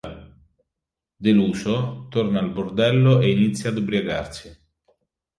Deluso, torna al bordello e inizia ad ubriacarsi.